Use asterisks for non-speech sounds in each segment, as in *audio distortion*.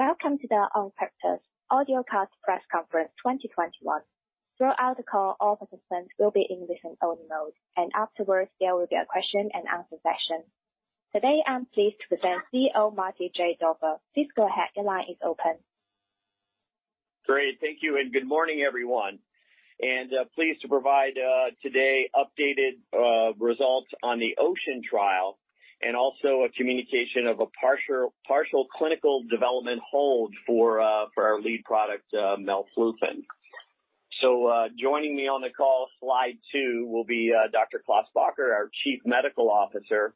Welcome to the Oncopeptides Audio Press Conference 2021. Throughout the call, all participants will be in listen-only mode, and afterwards, there will be a question-and-answer session. Today, I'm pleased to present CEO Marty J. Duvall. Please go ahead, your line is open. Great. Thank you, good morning, everyone. Pleased to provide today updated results on the OCEAN trial, and also a communication of a partial clinical development hold for our lead product melflufen. Joining me on the call, slide two, will be Dr. Klaas Bakker, our Chief Medical Officer,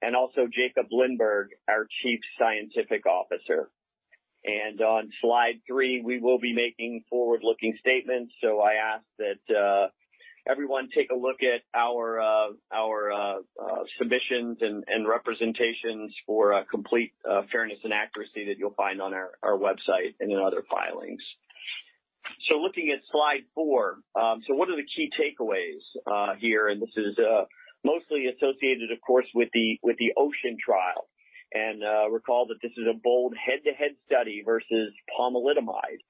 and also Jakob Lindberg, our Chief Scientific Officer. On slide three, we will be making forward-looking statements, so I ask that everyone take a look at our submissions and representations for complete fairness and accuracy that you'll find on our website and in other filings. Looking at slide four, what are the key takeaways here? This is mostly associated, of course, with the OCEAN trial. Recall that this is a bold head-to-head study versus pomalidomide.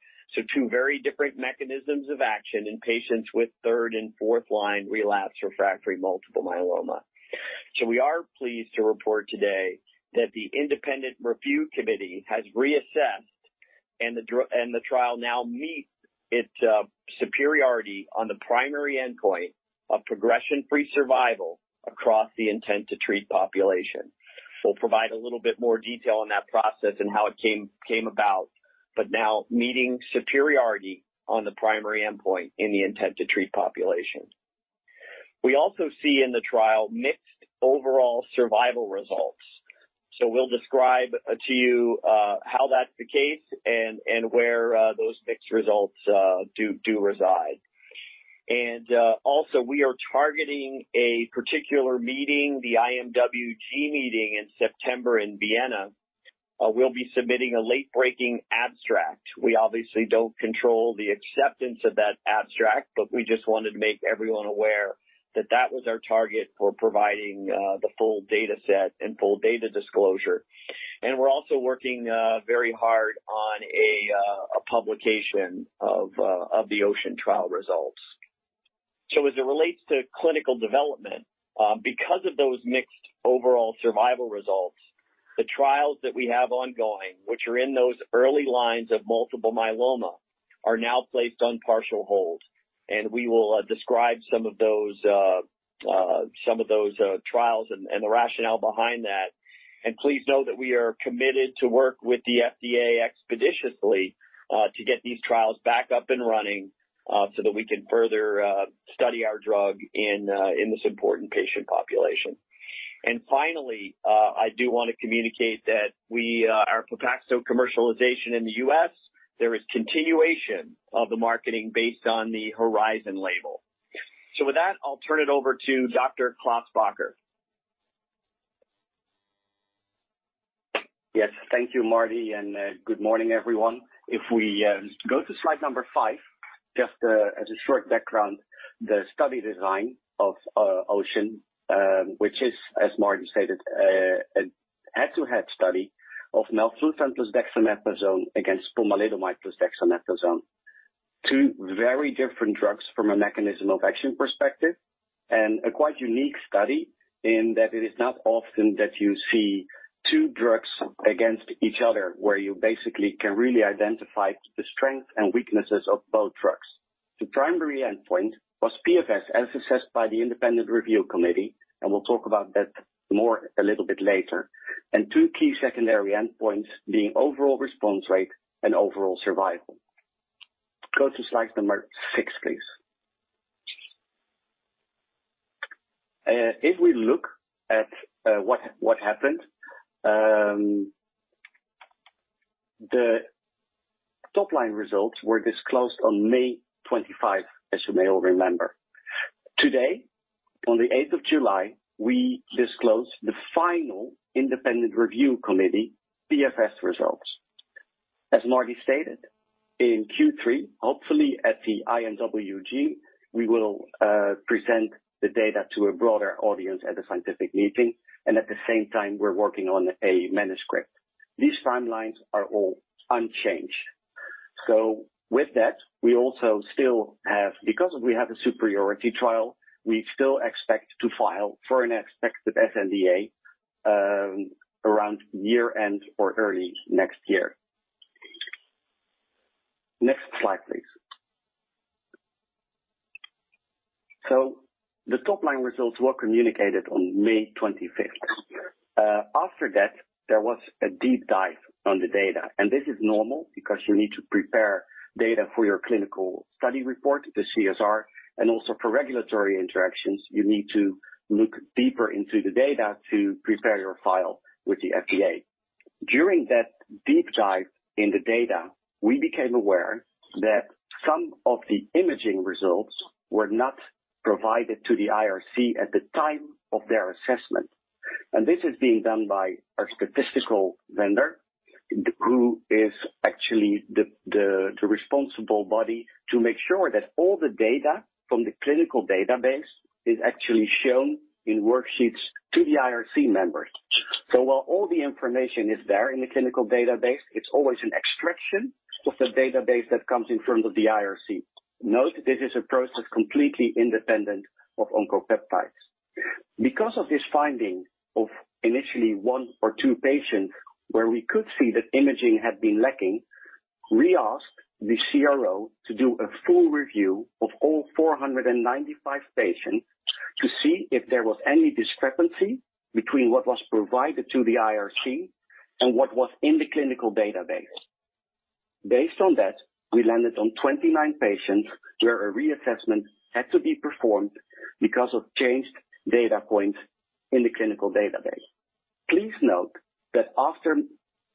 Two very different mechanisms of action in patients with third and fourth-line relapse refractory multiple myeloma. We are pleased to report today that the independent review committee has reassessed, and the trial now meets its superiority on the primary endpoint of progression-free survival across the intent-to-treat population. We'll provide a little bit more detail on that process and how it came about, but now meeting superiority on the primary endpoint in the intent-to-treat population. We also see in the trial mixed overall survival results. We'll describe to you how that's the case and where those mixed results do reside. Also, we are targeting a particular meeting, the IMWG meeting in September in Vienna. We'll be submitting a late-breaking abstract. We obviously don't control the acceptance of that abstract, but we just wanted to make everyone aware that that was our target for providing the full data set and full data disclosure. We're also working very hard on a publication of the OCEAN trial results. As it relates to clinical development, because of those mixed overall survival results, the trials that we have ongoing, which are in those early lines of multiple myeloma, are now placed on partial hold. We will describe some of those trials and the rationale behind that. Please note that we are committed to work with the FDA expeditiously to get these trials back up and running so that we can further study our drug in this important patient population. Finally, I do want to communicate that our Pepaxto commercialization in the U.S., there is continuation of the marketing based on the HORIZON label. With that, I'll turn it over to Dr. Klaas Bakker. Yes. Thank you, Marty, and good morning, everyone. If we go to slide five, just as a short background, the study design of OCEAN, which is, as Marty stated, a head-to-head study of melflufen plus dexamethasone against pomalidomide plus dexamethasone. Two very different drugs from a mechanism-of-action perspective, and a quite unique study in that it is not often that you see two drugs against each other where you basically can really identify the strength and weaknesses of both drugs. The primary endpoint was PFS, as assessed by the independent review committee, and we'll talk about that more a little bit later. Two key secondary endpoints being overall response rate and overall survival. Go to slide six, please. If we look at what happened, the top-line results were disclosed on May 25, as you may all remember. Today, on the 8th of July, we disclose the final independent review committee PFS results. As Marty stated, in Q3, hopefully at the IMWG, we will present the data to a broader audience at a scientific meeting, and at the same time, we're working on a manuscript. These timelines are all unchanged. With that, because we have a superiority trial, we still expect to file for an expected sNDA around year-end or early next year. Next slide, please. The top-line results were communicated on May 25th. After that, there was a deep dive on the data, and this is normal because you need to prepare data for your clinical study report, the CSR, and also for regulatory interactions, you need to look deeper into the data to prepare your file with the FDA. During that deep dive in the data, we became aware that some of the imaging results were not provided to the IRC at the time of their assessment. This is being done by our statistical vendor who is actually the responsible body to make sure that all the data from the clinical database is actually shown in worksheets to the IRC members. While all the information is there in the clinical database, it's always an extraction of the database that comes in front of the IRC. Note, this is a process completely independent of Oncopeptides. Because of this finding of initially one or two patients where we could see that imaging had been lacking, we asked the CRO to do a full review of all 495 patients to see if there was any discrepancy between what was provided to the IRC and what was in the clinical database. Based on that, we landed on 29 patients where a reassessment had to be performed because of changed data points in the clinical database. Please note that after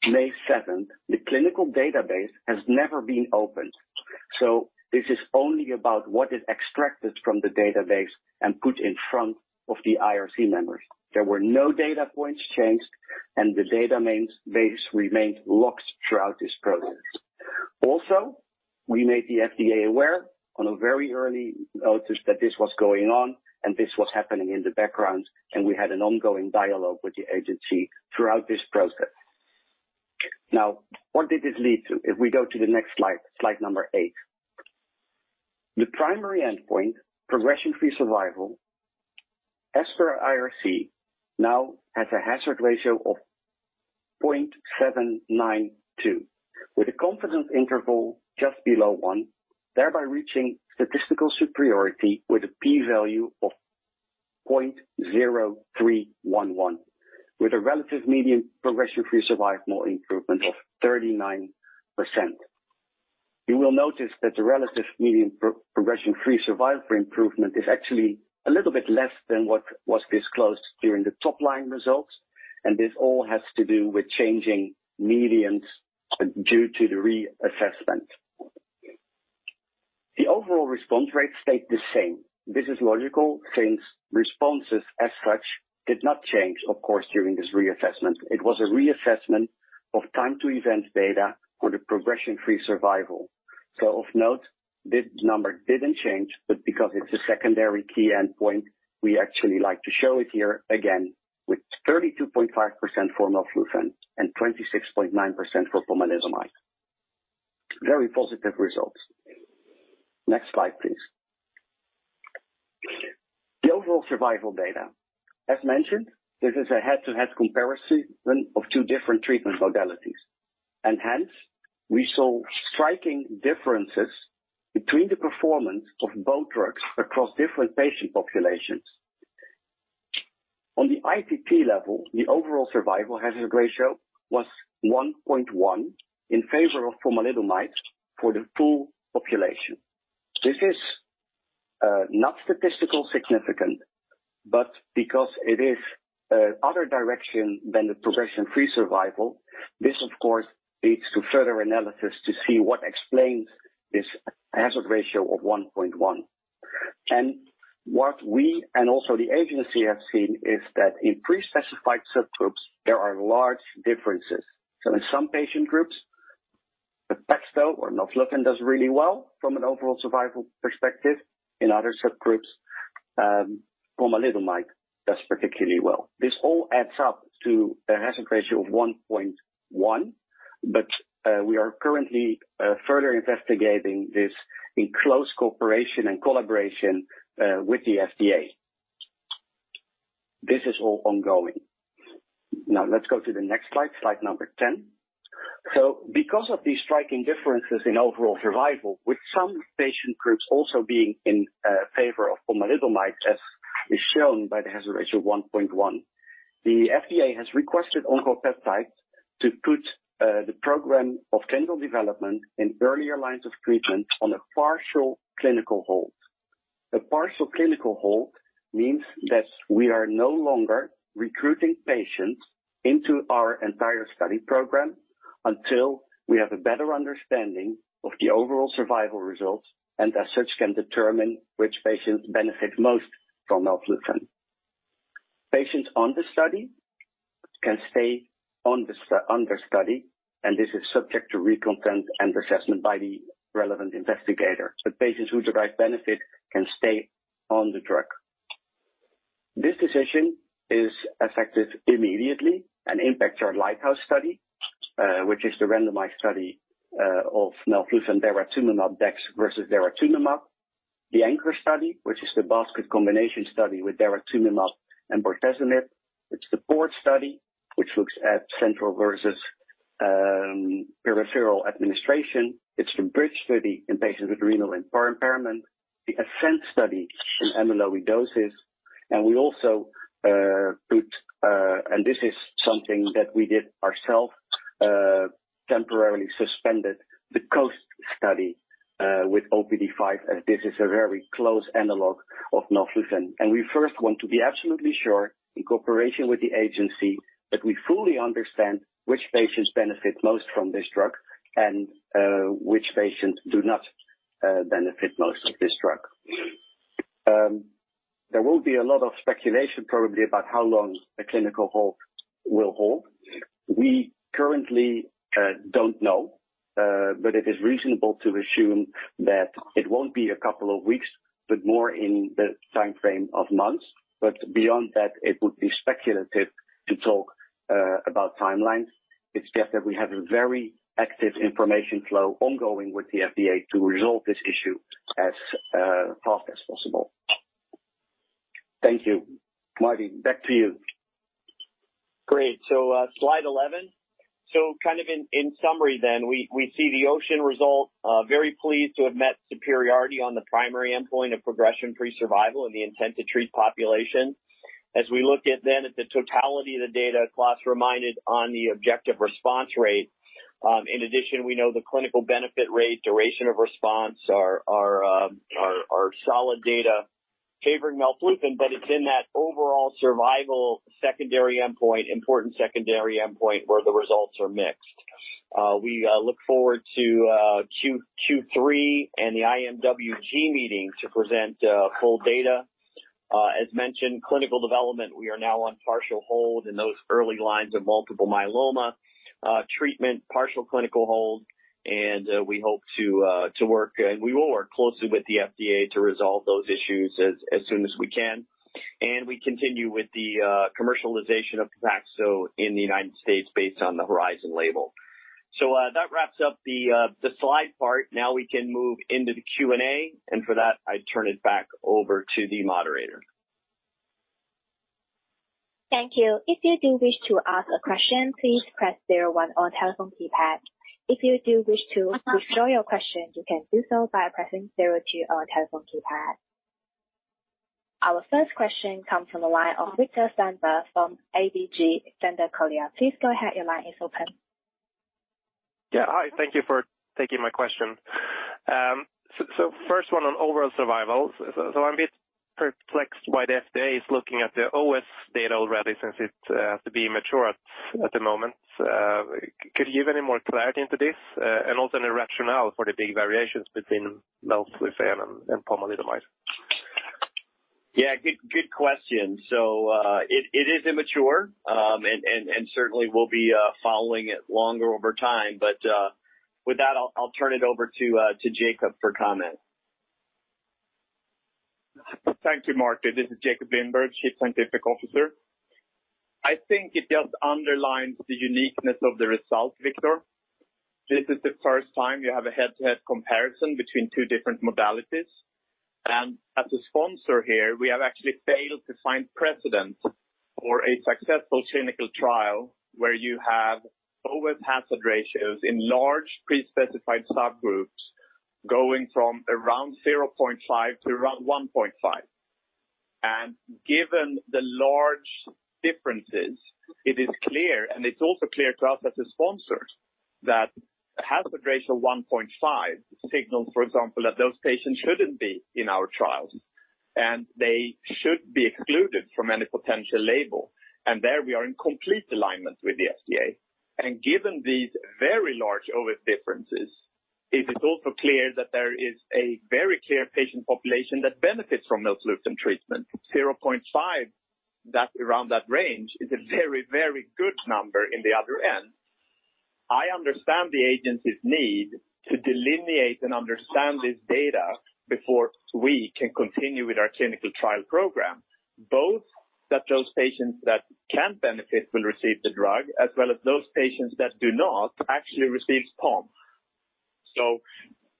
May 7th, the clinical database has never been opened. This is only about what is extracted from the database and put in front of the IRC members. There were no data points changed, and the database remained locked throughout this program. We made the FDA aware on a very early notice that this was going on, and this was happening in the background, and we had an ongoing dialogue with the agency throughout this process. What did this lead to? If we go to the next slide number eight. The primary endpoint, progression-free survival, as per IRC, now has a hazard ratio of 0.792 with a confidence interval just below one, thereby reaching statistical superiority with a p-value of 0.0311 with a relative median progression-free survival improvement of 39%. You will notice that the relative median progression-free survival improvement is actually a little bit less than what was disclosed during the top-line results, This all has to do with changing medians due to the reassessment. The overall response rate stayed the same. This is logical since responses as such did not change, of course, during this reassessment. It was a reassessment of time to event data for the progression-free survival. Of note, this number didn't change, but because it's a secondary key endpoint, we actually like to show it here again with 32.5% for melflufen and 26.9% for pomalidomide. Very positive results. Next slide, please. The overall survival data. As mentioned, this is a head-to-head comparison of two different treatment modalities. Hence, we saw striking differences between the performance of both drugs across different patient populations. On the ITT level, the overall survival hazard ratio was 1.1 in favor of pomalidomide for the full population. This is not statistically significant, but because it is other direction than the progression-free survival, this, of course, leads to further analysis to see what explains this hazard ratio of 1.1. What we and also the agency have seen is that in pre-specified subgroups, there are large differences. In some patient groups, the Pepaxto or melflufen does really well from an overall survival perspective. In other subgroups, pomalidomide does particularly well. This all adds up to a hazard ratio of 1.1, but we are currently further investigating this in close cooperation and collaboration with the FDA. This is all ongoing. Let's go to the next slide number 10. Because of these striking differences in overall survival, with some patient groups also being in favor of pomalidomide, as is shown by the hazard ratio 1.1, the FDA has requested Oncopeptides to put the program of general development in earlier lines of treatment on a partial clinical hold. A partial clinical hold means that we are no longer recruiting patients into our entire study program until we have a better understanding of the overall survival results, and as such, can determine which patients benefit most from melflufen. Patients on the study can stay under study, and this is subject to reconsent and assessment by the relevant investigator. Patients who derive benefit can stay on the drug. This decision is effective immediately and impacts our LIGHTHOUSE study, which is the randomized study of melflufen and daratumumab dex versus daratumumab, the ANCHOR study, which is the basket combination study with daratumumab and bortezomib. It's the PORT study, which looks at central versus peripheral administration. It's the BRIDGE study in patients with renal and poor impairment, the ASCENT study in MLOE doses. We also put, and this is something that we did ourselves, temporarily suspended the COAST study with OPD5, as this is a very close analog of melflufen. We first want to be absolutely sure, in cooperation with the agency, that we fully understand which patients benefit most from this drug and which patients do not benefit most from this drug. There will be a lot of speculation probably about how long a clinical hold will hold. We currently don't know, but it is reasonable to assume that it won't be couple of weeks, but more in the timeframe of months. Beyond that, it would be speculative to talk about timelines. It's just that we have a very active information flow ongoing with the FDA to resolve this issue as fast as possible. Thank you. Marty, back to you. Great. Slide 11. In summary, we see the OCEAN results. Very pleased to have met superiority on the primary endpoint of progression-free survival in the intent-to-treat population. As we look at the totality of the data, plus reminded on the overall response rate. In addition, we know the clinical benefit rate, duration of response are solid data favoring melflufen, but it's in that overall survival secondary endpoint, important secondary endpoint, where the results are mixed. We look forward to Q3 and the IMWG meeting to present full data. As mentioned, clinical development, we are now on partial hold in those early lines of multiple myeloma treatment, partial clinical hold, and we will work closely with the FDA to resolve those issues as soon as we can. We continue with the commercialization of Pepaxto in the United States based on the HORIZON label. That wraps up the slide part. Now we can move into the Q&A, and for that, I turn it back over to the moderator. Thank you. If you do wish to ask a question, please press zero one on telephone keypad. If you do wish to withdraw your question, you can do so by pressing zero two on a telephone keypad. Our first question comes from the line of Viktor Sundberg from ABG Sundal Collier. Please go ahead, your line is open. Yeah. Hi, thank you for taking my question. First one on overall survival. I'm a bit perplexed why the FDA is looking at the OS data already since it's to be mature at the moment. Could you give any more clarity to this? Also the rationale for the big variations between melflufen and pomalidomide. Yeah, good question. It is immature, and certainly we'll be following it longer over time. With that, I'll turn it over to Jakob for comment. Thank you, Marty. This is Jakob Lindberg, Chief Scientific Officer. I think it just underlines the uniqueness of the results, Viktor. This is the first time you have a head-to-head comparison between two different modalities. As a sponsor here, we have actually failed to find precedent for a successful clinical trial where you have OS hazard ratios in large pre-specified subgroups going from around 0.5 to around 1.5. Given the large differences, it is clear, and it's also clear to us as the sponsors, that hazard ratio 1.5 signals, for example, that those patients shouldn't be in our trials, and they should be excluded from any potential label. There we are in complete alignment with the FDA. Given these very large OS differences, it is also clear that there is a very clear patient population that benefits from melflufen treatment. 0.5, that's around that range, is a very, very good number in the other end. I understand the agency's need to delineate and understand this data before we can continue with our clinical trial program, both that those patients that can benefit will receive the drug, as well as those patients that do not actually receive pom.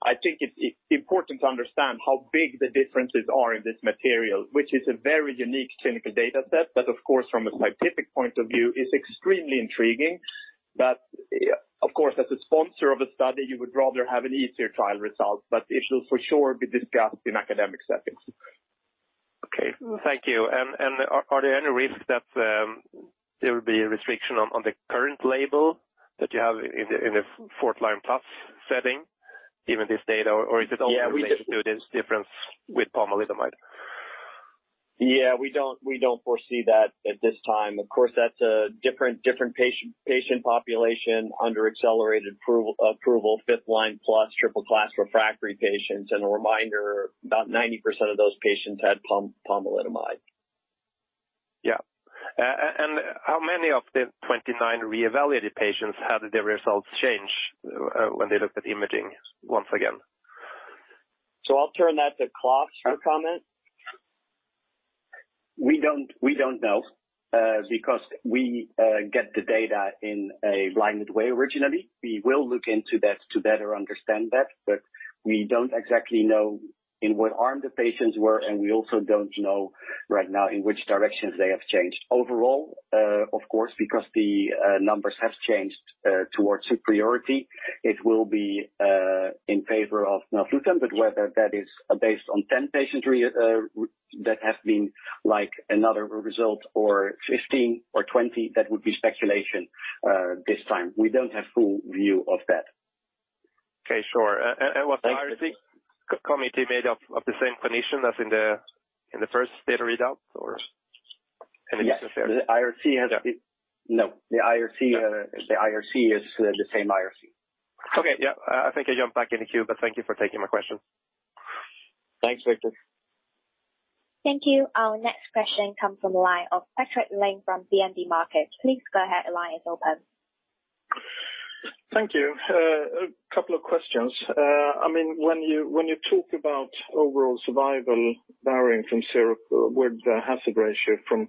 I think it's important to understand how big the differences are in this material, which is a very unique clinical data set that of course from a scientific point of view is extremely intriguing. Of course, as a sponsor of a study, you would rather have an easier trial result, but it will for sure be discussed in academic settings. Okay. Thank you. Are there any risks that there will be a restriction on the current label that you have in the fourth line tough setting, given this data, or is it only related to this difference with pomalidomide? Yeah, we don't foresee that at this time. Of course, that's a different patient population under accelerated approval, fifth line plus triple class refractory patients. A reminder, about 90% of those patients had pomalidomide. Yeah. How many of the 29 reevaluated patients had their results change when they look at imaging once again? I'll turn that to Klaas for comment. We don't know because we get the data in a blinded way originally. We will look into that to better understand that, but we don't exactly know in what arm the patients were, and we also don't know right now in which directions they have changed overall. Of course, because the numbers have changed towards superiority, it will be in favor of melflufen, but whether that is based on 10 patients that have been like another result or 15 or 20, that would be speculation this time. We don't have full view of that. Okay, sure. was- Thank you. The committee made up of the same clinician as in the first data readout or? Yes. The IRC is the same IRC. Okay. Yeah, I think I jump back in the queue, but thank you for taking my question. Thanks, Viktor. Thank you. Our next question comes from the line of Patrik Ling from DNB Markets. Please go ahead, line is open. Thank you. A couple of questions. When you talk about overall survival varying from zero, with the hazard ratio from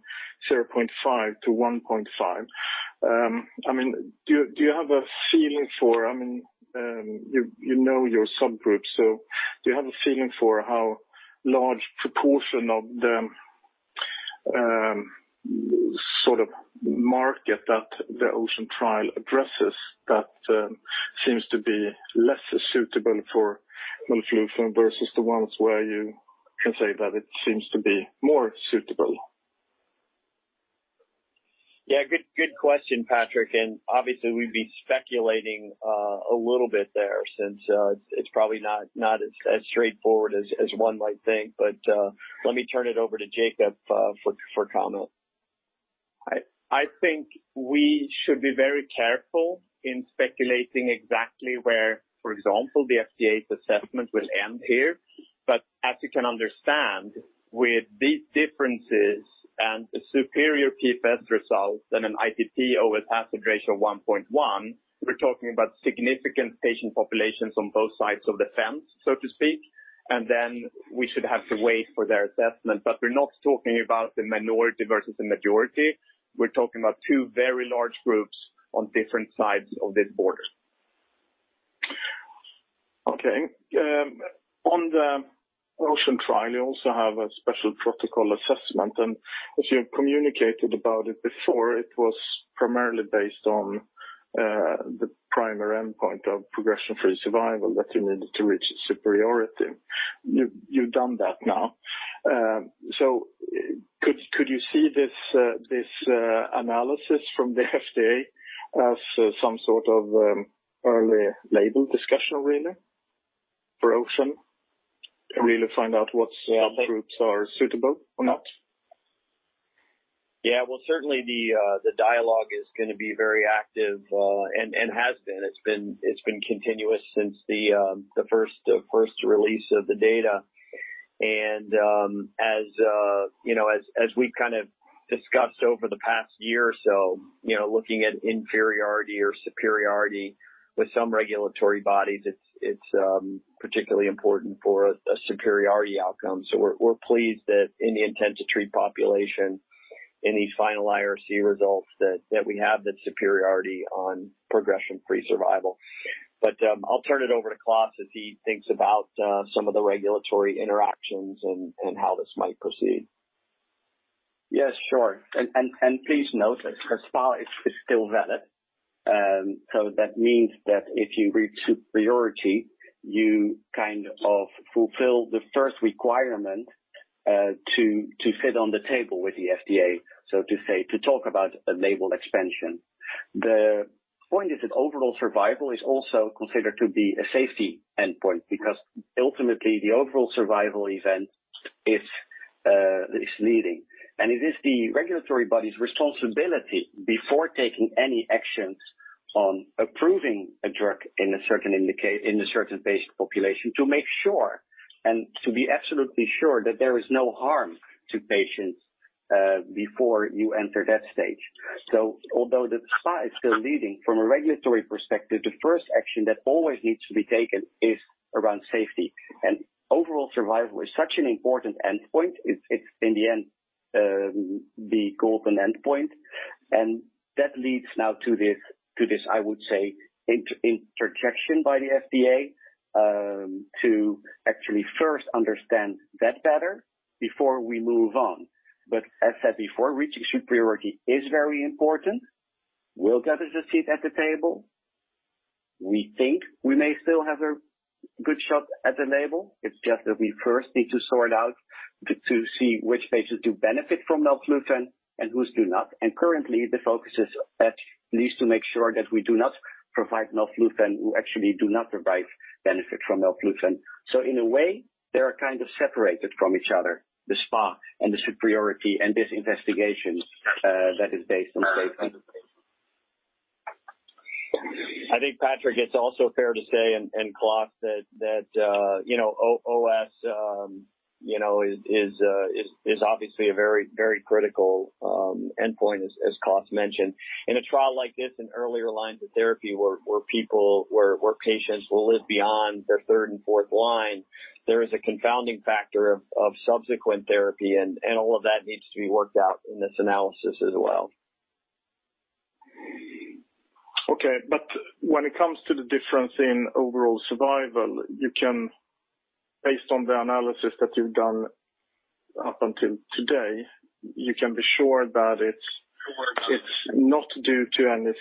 0.5-1.5, do you have a feeling for, you know, your subgroup, so do you have a feeling for how large proportion of the sort of market that the OCEAN trial addresses that seems to be less suitable for melflufen versus the ones where you can say that it seems to be more suitable? Yeah, good question, Patrik. Obviously, we'd be speculating a little bit there since it's probably not as straightforward as one might think, but let me turn it over to Jakob for comment. I think we should be very careful in speculating exactly where, for example, the FDA's assessment will end here. As you can understand, with these differences and the superior key test results and an ITT OS hazard ratio 1.1, we're talking about significant patient populations on both sides of the fence, so to speak, and then we should have to wait for their assessment. We're not talking about the minority versus the majority. We're talking about two very large groups on different sides of this border. Okay. On the OCEAN trial, you also have a special protocol assessment, and as you communicated about it before, it was primarily based on the primary endpoint of progression-free survival that you needed to reach superiority. You've done that now. Could you see this analysis from the FDA as some sort of early label discussion really for OCEAN? Really find out what subgroups are suitable or not? Yeah. Well, certainly the dialogue is going to be very active, and has been. It's been continuous since the first release of the data. As we've kind of discussed over the past year or so, looking at inferiority or superiority with some regulatory bodies, it's particularly important for a superiority outcome. We're pleased that in the intent-to-treat population, any final IRC results that we have the superiority on progression-free survival. I'll turn it over to Klaas as he thinks about some of the regulatory interactions and how this might proceed. Yes, sure. Please note that SPA is still valid. That means that if you reach superiority, you kind of fulfill the first requirement to sit on the table with the FDA, so to say, to talk about a label expansion. The point is that overall survival is also considered to be a safety endpoint because ultimately the overall survival event is leading. It is the regulatory body's responsibility before taking any actions on approving a drug in a certain patient population to make sure, and to be absolutely sure that there is no harm to patients before you enter that stage. Although the SPA is still leading from a regulatory perspective, the first action that always needs to be taken is around safety. Overall survival is such an important endpoint. It's in the end, the golden endpoint. That leads now to this, I would say, interjection by the FDA to actually first understand that better before we move on. As said before, reaching superiority is very important, will get us a seat at the table. We think we may still have a good shot at the label. It's just that we first need to sort out to see which patients do benefit from melflufen and which do not. Currently, the focus is at least to make sure that we do not provide melflufen who actually do not derive benefit from melflufen. In a way, they are kind of separated from each other, the SPA and the superiority and this investigation that is based on safety. I think Patrik, it's also fair to say, and Klaas that OS is obviously a very critical endpoint as Klaas mentioned. In a trial like this in earlier lines of therapy where patients will live beyond their third and fourth line, there is a confounding factor of subsequent therapy and all of that needs to be worked out in this analysis as well. Okay. When it comes to the difference in overall survival, based on the analysis that you've done up until today, you can be sure that it's not due to any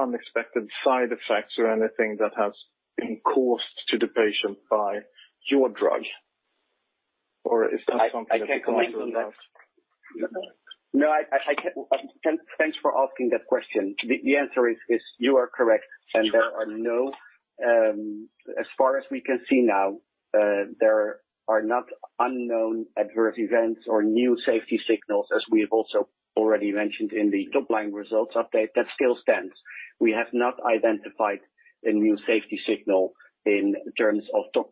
unexpected side effects or anything that has been caused to the patient by your drug? Or if someone- I can comment on that. Thanks for asking that question. The answer is you are correct, and as far as we can see now, there are not unknown adverse events or new safety signals, as we have also already mentioned in the top-line results update. That still stands. We have not identified a new safety signal in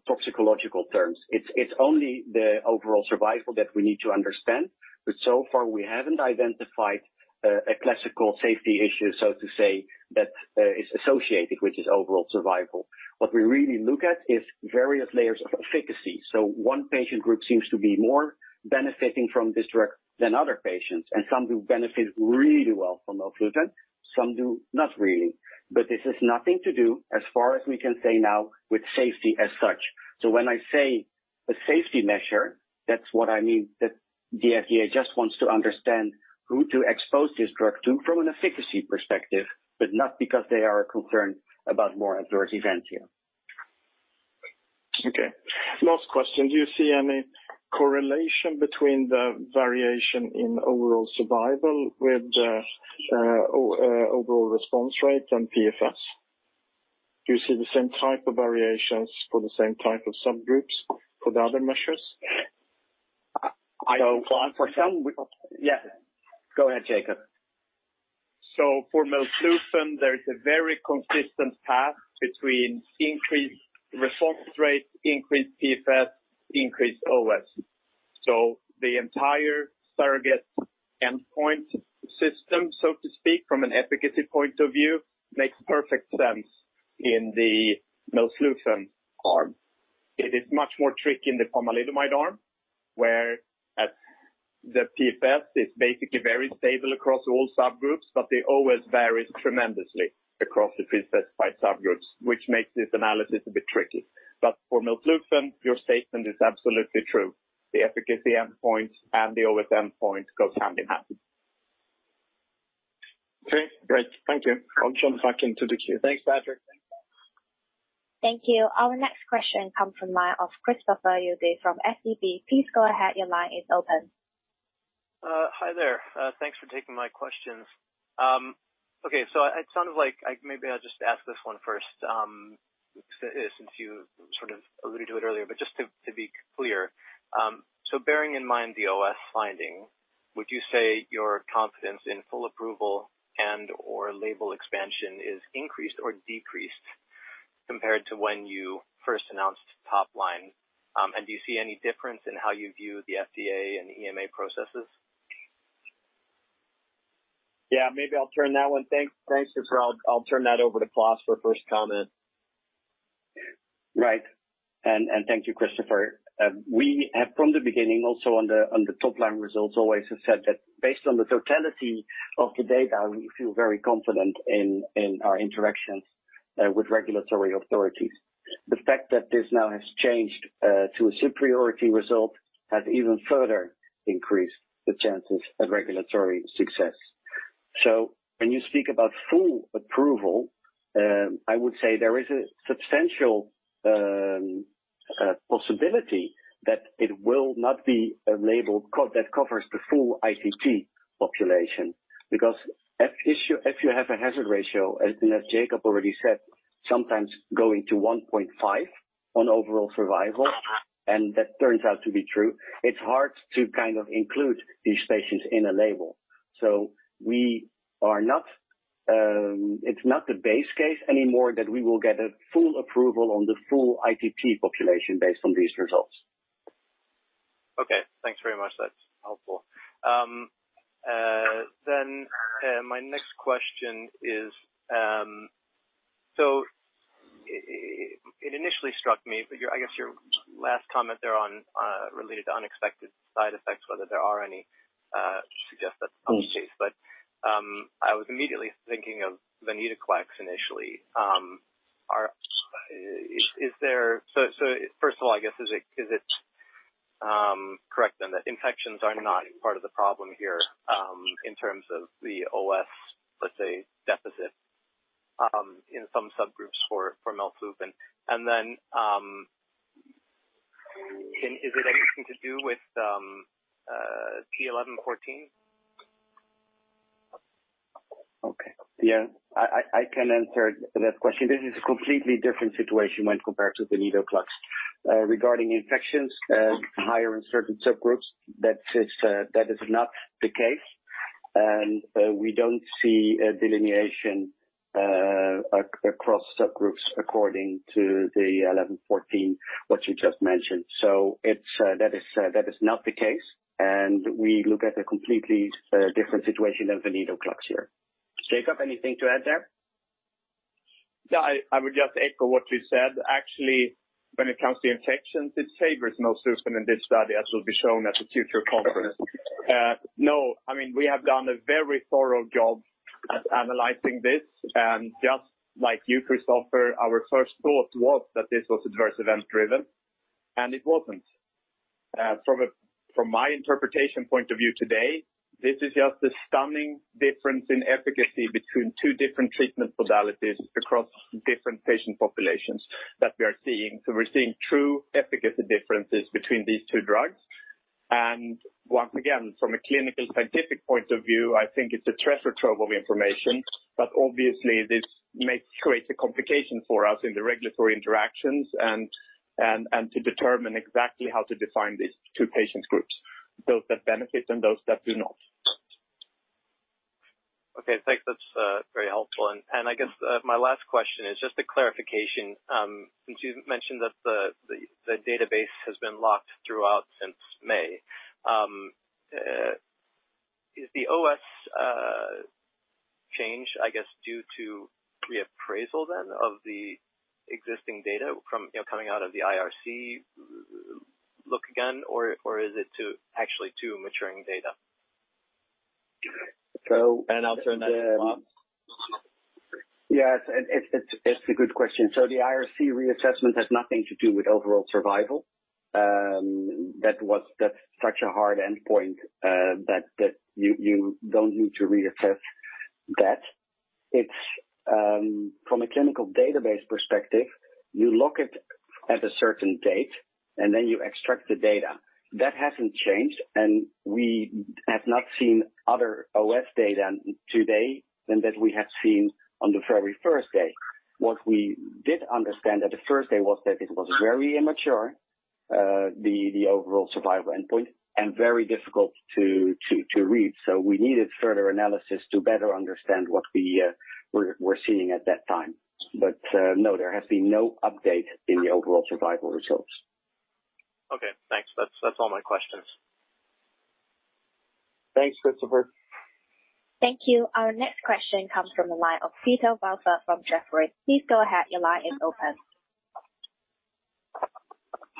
toxicological terms. It's only the overall survival that we need to understand, but so far we haven't identified a classical safety issue, so to say, that is associated with this overall survival. What we really look at is various layers of efficacy. One patient group seems to be more benefiting from this drug than other patients, and some do benefit really well from melflufen, some do not really. This has nothing to do, as far as we can say now, with safety as such. When I say a safety measure, that's what I mean, that the FDA just wants to understand who to expose this drug to from an efficacy perspective, but not because they are concerned about more adverse events here. Okay, last question. Do you see any correlation between the variation in overall survival with the overall response rate and PFS? Do you see the same type of variations for the same type of subgroups for the other measures? For some we. Yeah. Go ahead, Jakob. For melflufen, there is a very consistent path between increased response rate, increased PFS, increased OS. The entire surrogate endpoint system, so to speak, from an efficacy point of view, makes perfect sense in the melflufen arm. It is much more tricky in the pomalidomide arm, where the PFS is basically very stable across all subgroups, but the OS varies tremendously across the pre-specified subgroups, which makes this analysis a bit tricky. For melflufen, your statement is absolutely true. The efficacy endpoint and the OS endpoint goes hand in hand. Okay, great. Thank you. I'll jump back into the queue. Thanks, Patrik. Thank you. Our next question comes from that of Christopher Uhde from SEB. Hi there. Thanks for taking my questions. Okay. Maybe I'll just ask this one first, since you sort of alluded to it earlier, but just to be clear. Bearing in mind the OS finding, would you say your confidence in full approval and/or label expansion is increased or decreased compared to when you first announced top line? Do you see any difference in how you view the FDA and EMA processes? Yeah, maybe I'll turn that one. Thanks, Christopher. I'll turn that over to Klaas for a first comment. Right. Thank you, Christopher. We have from the beginning, also on the top-line results, always have said that based on the totality of the data, we feel very confident in our interactions with regulatory authorities. The fact that this now has changed to a superiority result has even further increased the chances of regulatory success. When you speak about full approval, I would say there is a substantial possibility that it will not be a label that covers the full ITT population. If you have a hazard ratio, as Jakob already said, sometimes going to 1.5 on overall survival, and that turns out to be true, it's hard to include these patients in a label. It's not the base case anymore that we will get a full approval on the full ITT population based on these results. Okay, thanks very much. That's helpful. My next question is it initially struck me, I guess your last comment there on related unexpected side effects, whether there are any, suggests that's the case. I was immediately thinking of venetoclax initially. First of all, I guess, is it correct that infections are not part of the problem here in terms of the OS, let's say, deficit in some subgroups for melflufen? Is it anything to do with t(11;14)? Okay. Yeah, I can answer that question. This is a completely different situation when compared to venetoclax. Regarding infections higher in certain subgroups, that is not the case. We don't see a delineation across subgroups according to the t(11;14), what you just mentioned. That is not the case, and we look at a completely different situation than venetoclax here. Jakob, anything to add there? Yeah, I would just echo what you said. Actually, when it comes to infections, it favors melflufen in this study, as will be shown at the future conference. No, we have done a very thorough job at analyzing this. Just like you, Christopher, our first thought was that this was adverse event-driven, and it wasn't. From my interpretation point of view today, this is just a stunning difference in efficacy between two different treatment modalities across different patient populations that we are seeing. We're seeing true efficacy differences between these two drugs. Once again, from a clinical scientific point of view, I think it's a treasure trove of information. Obviously, this may create a complication for us in the regulatory interactions and to determine exactly how to define these two patient groups, those that benefit and those that do not. Okay, thanks. That's very helpful. I guess my last question is just a clarification. Since you've mentioned that the database has been locked throughout since May. Is the OS change, I guess, due to the appraisal then of the existing data coming out of the IRC look again, or is it to actually to maturing data? So- I'll turn to Klaas. Yes, it's a good question. The IRC reassessment has nothing to do with overall survival. That's such a hard endpoint that you don't need to reassess that. From a clinical database perspective, you look at a certain date, and then you extract the data. That hasn't changed, and we have not seen other OS data today than that we had seen on the very first day. What we did understand on the first day was that it was very immature, the overall survival endpoint, and very difficult to read. We needed further analysis to better understand what we're seeing at that time. No, there has been no update in the overall survival results. Okay, thanks. That's all my questions. Thanks, Christopher. Thank you. Our next question comes from the line of Peter Welford from Jefferies. Please go ahead. Your line is open.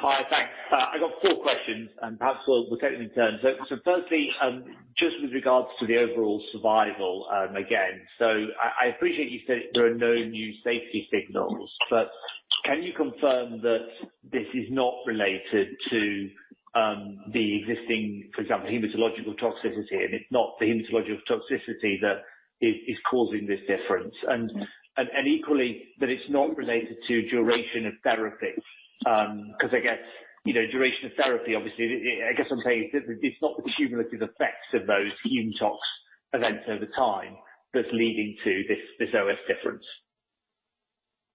Hi. Thanks. I've got four questions, and perhaps we'll take them in turn. Firstly, just with regards to the overall survival, again, so I appreciate you say there are no new safety signals, but can you confirm that this is not related to the existing, for example, hematologic toxicity, and it's not the hematologic toxicity that is causing this difference? Equally, that it's not related to duration of therapy, because I guess, duration of therapy, obviously, I guess I'm saying it's not the cumulative effects of those hematologic toxicity events over time that's leading to this OS difference.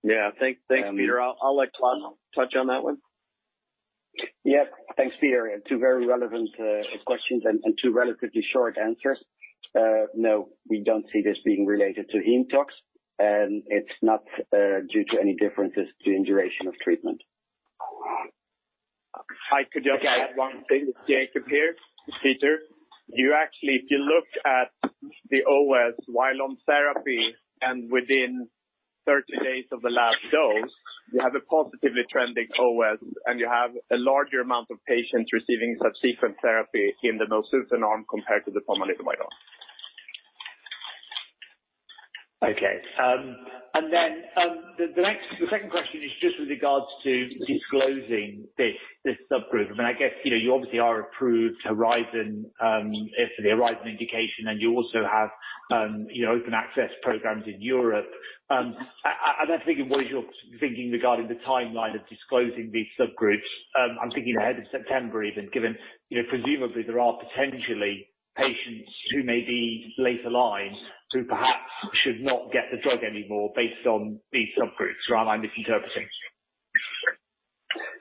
Yeah. Thanks, Peter. I'll let Klaas touch on that one. Yes. Thanks, Peter, two very relevant questions and two relatively short answers. No, we don't see this being related to hem tox. It's not due to any differences in duration of treatment. If I could just add one thing. Jakob here. Peter. You actually, if you look at the OS while on therapy and within 30 days of the last dose, you have a positively trending OS, and you have a larger amount of patients receiving subsequent therapy in the melflufen compared to the pomalidomide arm. Okay. The second question is just with regards to disclosing this subgroup. I guess, you obviously are approved for the HORIZON indication, and you also have open access programs in Europe. I'm now thinking, what is your thinking regarding the timeline of disclosing these subgroups? I'm thinking ahead of September even, given presumably there are potentially patients who may be later line who perhaps should not get the drug anymore based on these subgroups. Am I misinterpreting?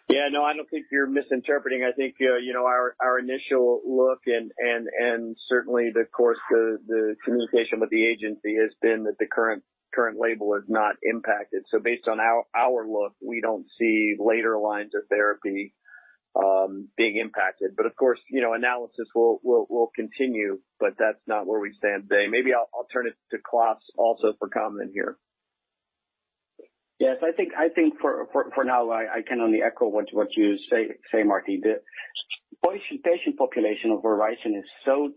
Yeah, no, I don't think you're misinterpreting. I think our initial look and certainly the course, the communication with the agency has been that the current label is not impacted. Based on our look, we don't see later lines of therapy being impacted. Of course, analysis will continue, but that's not where we stand today. Maybe I'll turn it to Klaas also for comment here. Yes, I think for now, I can only echo what you say, Marty. The patient population of HORIZON is so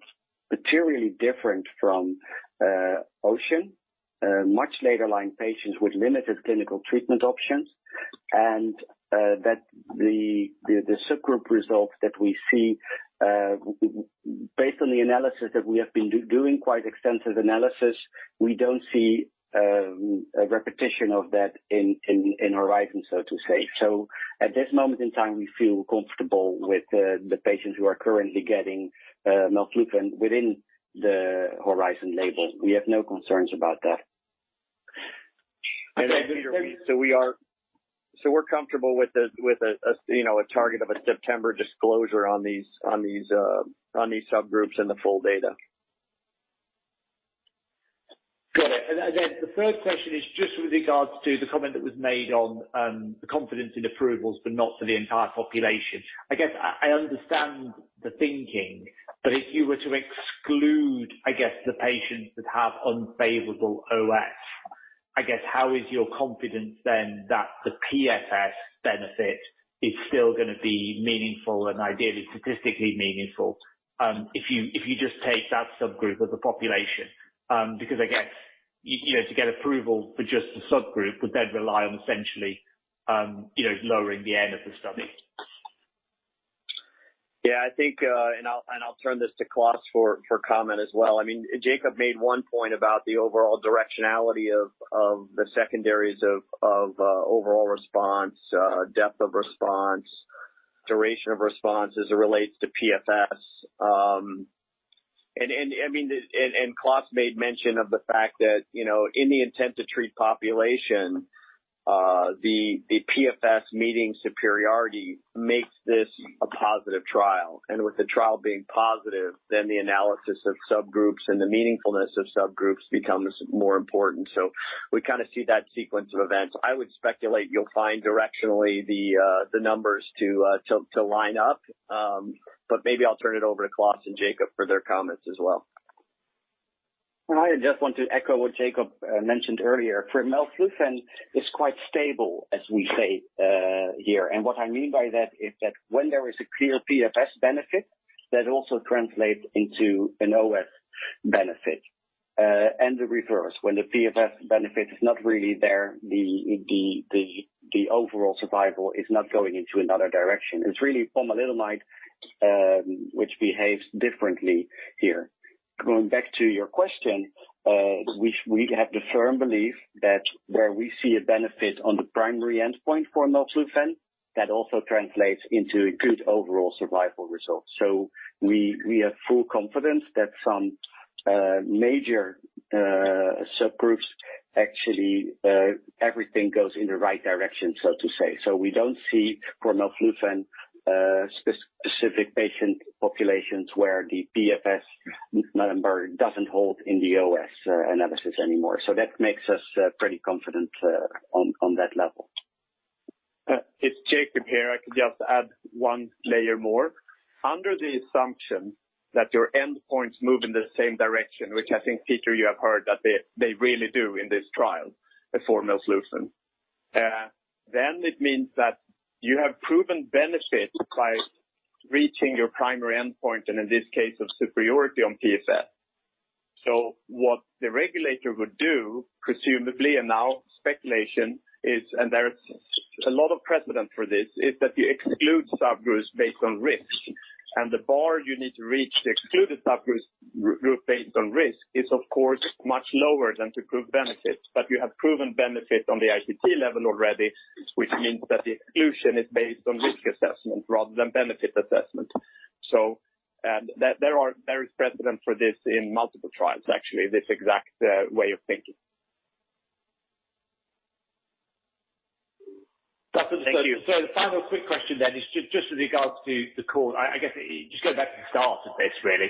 materially different from OCEAN, much later line patients with limited clinical treatment options, and that the subgroup results that we see based on the analysis that we have been doing quite extensive analysis, we don't see a repetition of that in HORIZON, so to say. At this moment in time, we feel comfortable with the patients who are currently getting melflufen within the HORIZON label. We have no concerns about that. We're comfortable with a target of a September disclosure on these subgroups and the full data. Got it. Then the third question is just with regard to the comment that was made on the confidence in approvals, but not for the entire population. I guess I understand the thinking, but if you were to exclude, I guess, the patients that have unfavorable OS, I guess how is your confidence then that the PFS benefit is still going to be meaningful and ideally statistically meaningful if you just take that subgroup of the population? I guess, to get approval for just a subgroup would then rely on essentially and lowering the end of the study. Yeah, I think, I'll turn this to Klaas for comment as well. I mean, Jakob made one point about the overall directionality of the secondaries of overall response, depth of response, duration of response as it relates to PFS. Klaas made mention of the fact that, in the Intent-to-treat population, the PFS meeting superiority makes this a positive trial. With the trial being positive, the analysis of subgroups and the meaningfulness of subgroups becomes more important. We kind of see that sequence of events. I would speculate you'll find directionally the numbers to line up. Maybe I'll turn it over to Klaas and Jakob for their comments as well. I just want to echo what Jakob mentioned earlier. For melflufen, it's quite stable, as we say here. What I mean by that is that when there is a clear PFS benefit, that also translates into an OS benefit, and the reverse. When the PFS benefit is not really there, the overall survival is not going into another direction. It's really pomalidomide which behaves differently here. Going back to your question, we have the firm belief that where we see a benefit on the primary endpoint for melflufen, that also translates into a good overall survival result. We have full confidence that some major subgroups, actually, everything goes in the right direction, so to say. We don't see melflufen specific patient populations where the PFS number doesn't hold in the OS analysis anymore. That makes us pretty confident on that level. It's Jakob here. I can just add one layer more. Under the assumption that your endpoints move in the same direction, which I think, Peter, you have heard that they really do in this trial for melflufen, then it means that you have proven benefit by reaching your primary endpoint, and in this case, of superiority on PFS. What the regulator would do, presumably, and now speculation is, and there's a lot of precedent for this, is that you exclude subgroups based on risk. The bar you need to reach to exclude a subgroup based on risk is, of course, much lower than to prove benefit. You have proven benefit on the ITT level already, which means that the exclusion is based on risk assessment rather than benefit assessment. There is precedent for this in multiple trials, actually, this exact way of thinking. If I have a quick question then, it is just with regards to the call, I guess, just going back to the start of this, really.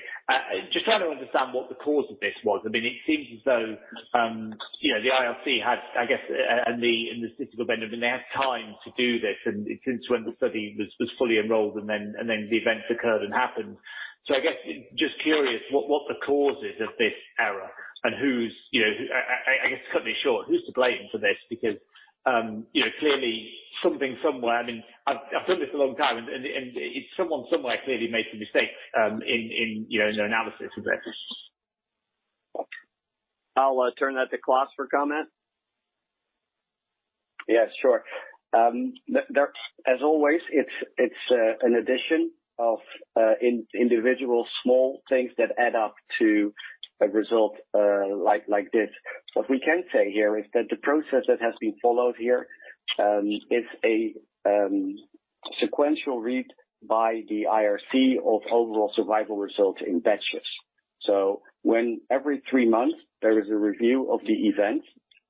Just trying to understand what the cause of this was. I mean, it seems as though, the IRC had, I guess, in the sixth amendment, they had time to do this, and since when the study was fully enrolled and then the events occurred and happened. I guess, just curious what the cause is of this error and who's, I guess cut to be short, who's to blame for this? Clearly something, somewhere, I mean, I've done this a long time, and someone somewhere clearly makes a mistake in the analysis of this. I'll turn that to Klaas for comment. Yeah, sure. As always, it's an addition of individual small things that add up to a result like this. What we can say here is that the process that has been followed here, is a sequential read by the IRC of overall survival results in batches. When every three months there is a review of the event,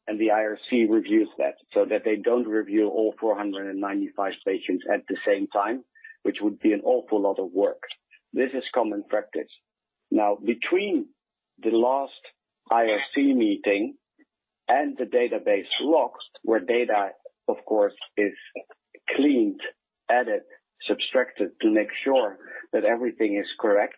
and the IRC reviews that, so that they don't review all 495 patients at the same time, which would be an awful lot of work. This is common practice. Between the last IRC meeting and the database locks, where data, of course, is cleaned, added, subtracted to make sure that everything is correct,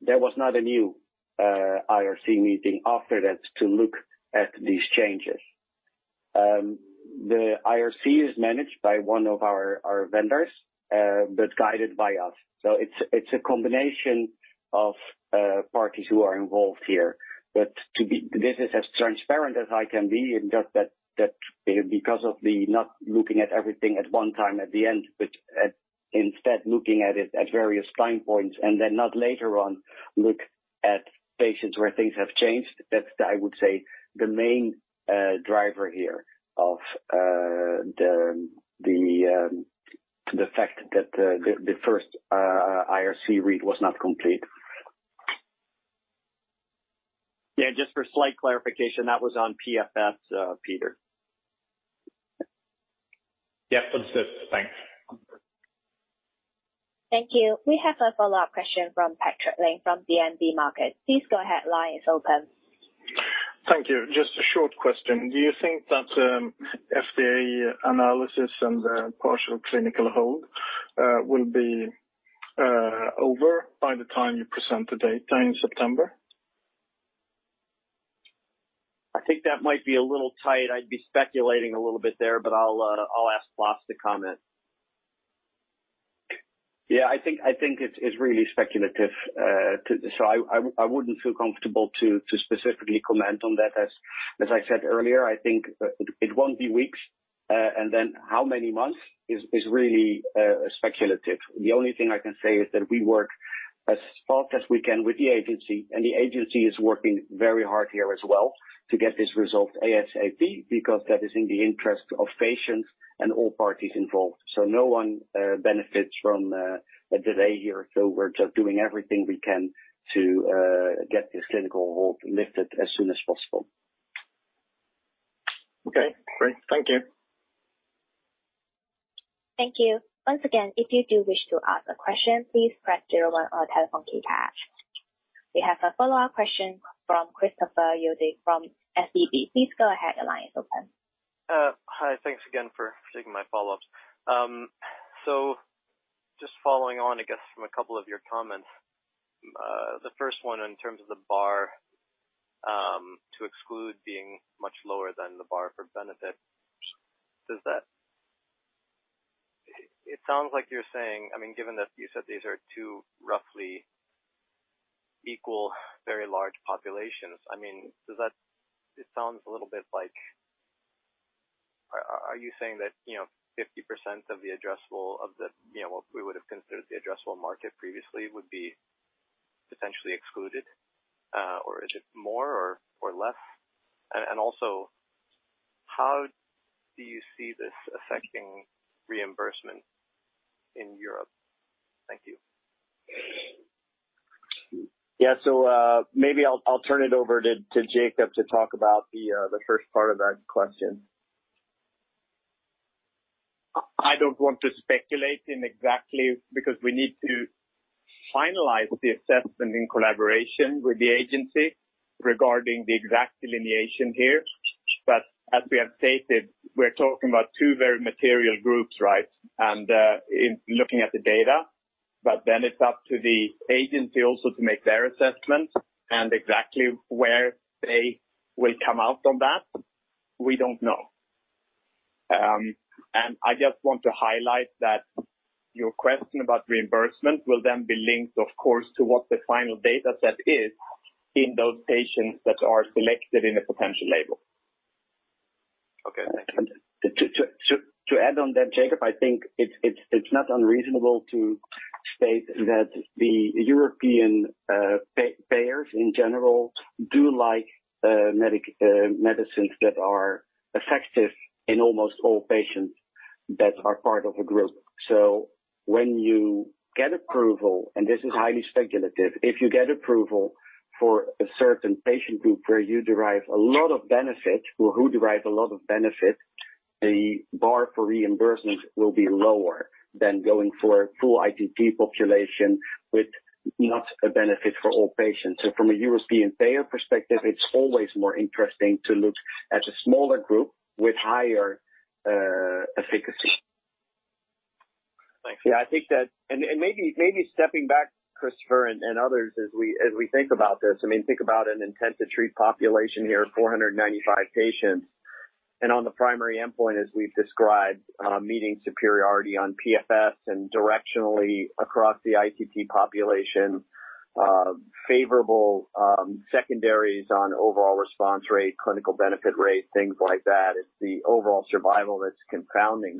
there was not a new IRC meeting after that to look at these changes. The IRC is managed by one of our vendors, but guided by us. It's a combination of parties who are involved here. This is as transparent as I can be and just that because of the not looking at everything at one time at the end, but instead looking at it at various time points and then not later on look at patients where things have changed. That's, I would say, the main driver here of the fact that the first IRC read was not complete. Yeah, just for slight clarification, that was on PFS, Peter. Yeah, that's it. Thanks. Thank you. We have a follow-up question from Patrik Ling from DNB Markets. Please go ahead. Line is open. Thank you. Just a short question. Do you think that FDA analysis and partial clinical hold will be over by the time you present the data in September? I think that might be a little tight. I'd be speculating a little bit there, but I'll ask Klaas to comment. Yeah, I think it's really speculative. I wouldn't feel comfortable to specifically comment on that. As I said earlier, I think it won't be weeks. Then how many months is really speculative. The only thing I can say is that we work as fast as we can with the agency, and the agency is working very hard here as well to get this result ASAP, because that is in the interest of patients and all parties involved. No one benefits from a delay here. We're just doing everything we can to get this clinical hold lifted as soon as possible. Okay, great. Thank you. Thank you. Once again, if you do wish to ask a question, please press zero one on your telephone keypad. We have a follow-up question from Christopher Uhde from SEB. Please go ahead, line open. Hi, thanks again for taking my follow-up. Just following on, I guess, from a couple of your comments. The first one in terms of the bar to exclude being much lower than the bar for benefit, it sounds like you're saying, given that you said these are two roughly equal, very large populations. Are you saying that 50% of what we would have considered the addressable market previously would be potentially excluded? Or is it more or less? Also, how do you see this affecting reimbursement in Europe? Thank you. Yeah. Maybe I'll turn it over to Jakob to talk about the first part of that question. I don't want to speculate in exactly because we need to finalize the assessment in collaboration with the agency regarding the exact delineation here. As we have stated, we're talking about two very material groups, right? Looking at the data, it's up to the agency also to make their assessment and exactly where they will come out on that, we don't know. I just want to highlight that your question about reimbursement will then be linked, of course, to what the final data set is in those patients that are selected in a potential label. Okay. To add on that, Jakob, I think it's not unreasonable to state that the European payers in general do like medicines that are effective in almost all patients that are part of a group. When you get approval, and this is highly speculative, if you get approval for a certain patient group where you derive a lot of benefit or who derive a lot of benefit, the bar for reimbursement will be lower than going for a full ITT population with not a benefit for all patients. From a European payer perspective, it's always more interesting to look at a smaller group with higher efficacy. Thank you. Yeah, I think that, and maybe stepping back, Christopher and others, as we think about this, I mean, think about an intent-to-treat population here of 495 patients. On the primary endpoint, as we've described, meeting superiority on PFS and directionally across the ITT population, favorable secondaries on overall response rate, clinical benefit rate, things like that. It's the overall survival that's confounding.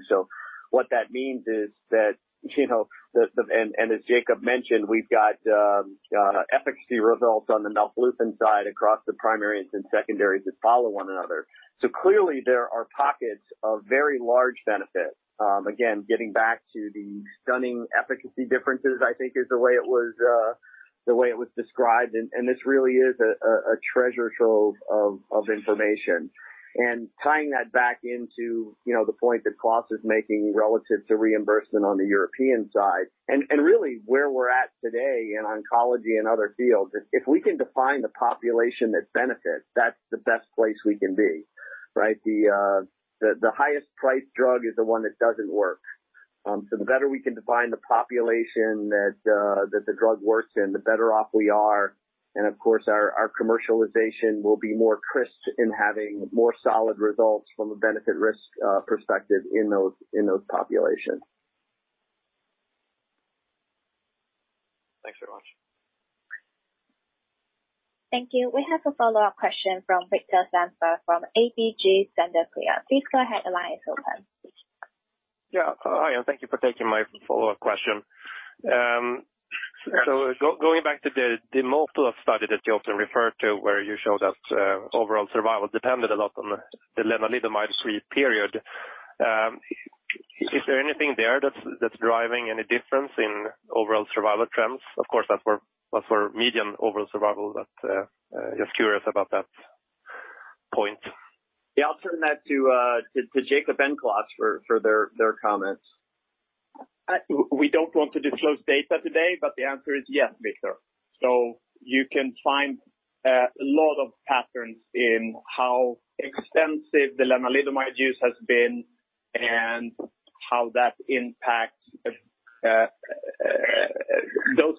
What that means is that, and as Jakob mentioned, we've got efficacy results on the melflufen side across the primaries and secondaries that follow one another. Clearly, there are pockets of very large benefit. Again, getting back to the stunning efficacy differences, I think is the way it was described, and this really is a treasure trove of information. Tying that back into the point that Klaas is making relative to reimbursement on the European side, and really where we're at today in oncology and other fields, if we can define the population that benefits, that's the best place we can be, right? The highest priced drug is the one that doesn't work. The better we can define the population that the drug works in, the better off we are. Of course, our commercialization will be more crisp in having more solid results from a benefit risk perspective in those populations. Thanks very much. Thank you. We have a follow-up question from Viktor Sundberg from ABG Sundal Collier. Please go ahead, line open. Yeah. Hi, and thank you for taking my follow-up question. Going back to the MOTIVA study that you often refer to where you showed us overall survival depended a lot on the lenalidomide-free period. Is there anything there that's driving any difference in overall survival trends? Of course, as for median overall survival, just curious about that point. Yeah. I'll turn that to Jakob and Klaas for their comments. We don't want to disclose data today, but the answer is yes, Victor. You can find a lot of patterns in how extensive the lenalidomide use has been and how that impacts.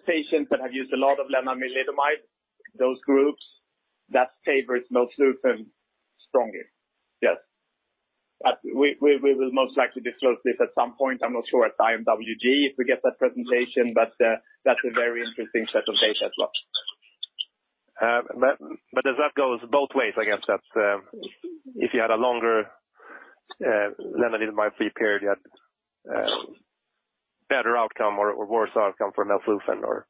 Patients that have used a lot of lenalidomide, those groups, that favor melflufen strongly. Yes. We will most likely disclose this at some point. I'm not sure at IMWG, if we get that presentation, but that's a very interesting set of data as well. Does that go both ways, I guess? If you had a longer lenalidomide-free period, you had better outcome or worse outcome for melflufen or?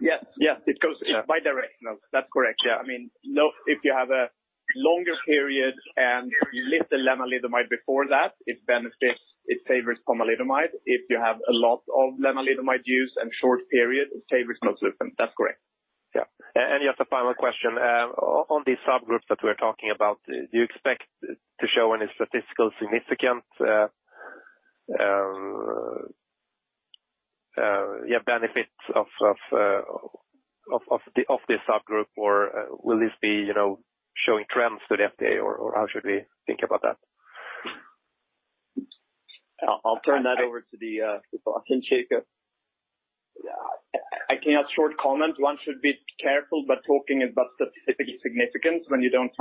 Yes, it goes bi-directional. That's correct. Yeah. If you have a longer period and you list the lenalidomide before that, it benefits, it favors pomalidomide. If you have a lot of lenalidomide use and short period, it favors melflufen. That's correct. Yeah. Just a final question. On the subgroup that we're talking about, do you expect to show any statistical significant benefits of the subgroup, or will this be showing trends to the FDA, or how should we think about that? I'll turn that over to, *audio distortion* Jakob. I can add short comment. One should be careful by talking about statistical significance when you didn't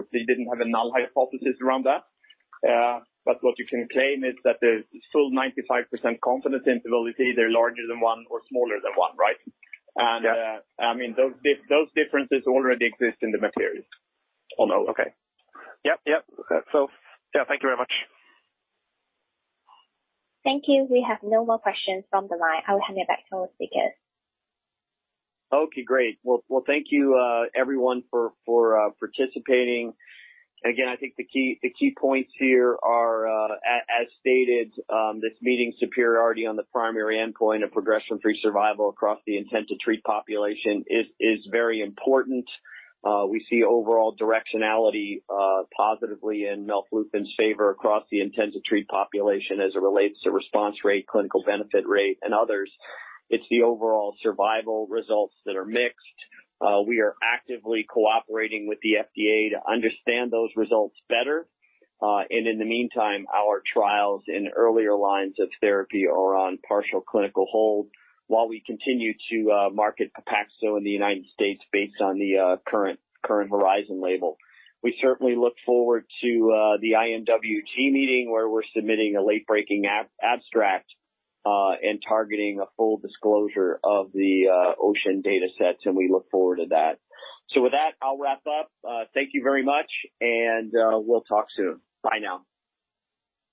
have a null hypothesis around that. What you can claim is that there's still 95% confidence interval either larger than one or smaller than one, right? Yeah. Those differences already exist in the materials. Oh, no. Okay. Yep. Thank you very much. Thank you. We have no more questions from the line. I'll hand it back to our speakers. Okay. Great, well, thankyou everyone for participating. I think the key points here are, as stated, this meeting superiority on the primary endpoint of progression-free survival across the intent-to-treat population is very important. We see overall directionality positively in melflufen's favor across the intent-to-treat population as it relates to response rate, clinical benefit rate, and others. It's the overall survival results that are mixed. We are actively cooperating with the FDA to understand those results better. In the meantime, our trials in earlier lines of therapy are on partial clinical hold while we continue to market Pepaxto in the United States based on the current HORIZON label. We certainly look forward to the IMWG meeting, where we're submitting a late-breaking abstract and targeting a full disclosure of the OCEAN datasets. With that, I'll wrap up. Thank you very much. We'll talk soon. Bye now.